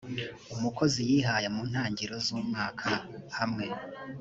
umukozi yihaye mu ntangiro z umwaka hamwe